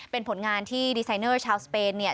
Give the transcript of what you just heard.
เป็นผลงานที่ดีไซเนอร์ชาวสเปนเนี่ย